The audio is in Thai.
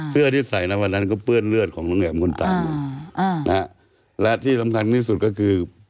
เสื้อที่ใส่ในวันนั้นก็เปื้อนเลือดของน้องแหม่มคุณตาอยู่อ่านะฮะและที่สำคัญที่สุดก็คือ